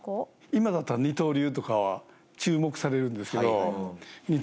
今だったら二刀流とかは注目されるんですけど。